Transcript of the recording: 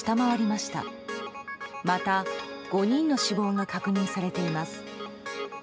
また、５人の死亡が確認されています。